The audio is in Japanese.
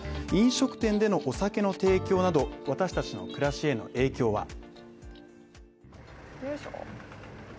飲食店でのお酒の提供など、私達の暮らしへの影響は。